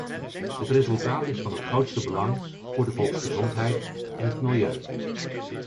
Het resultaat is van het grootste belang voor de volksgezondheid en het milieu.